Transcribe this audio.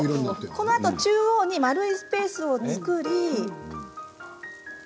このあと中央に丸いスペースを作り。